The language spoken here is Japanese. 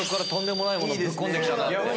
ぶっ込んできたなって。